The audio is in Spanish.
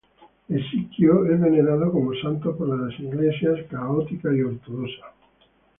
Hesiquio es venerado como santo por las iglesias católicas y ortodoxas.